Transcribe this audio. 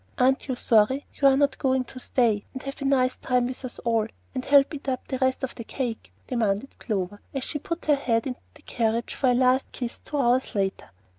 "Aren't you sorry you are not going to stay and have a nice time with us all, and help eat up the rest of the cake?" demanded Clover, as she put her head into the carriage for a last kiss, two hours later.